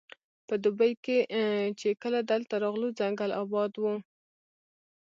په دوبي کې چې کله دلته راغلو ځنګل اباد وو.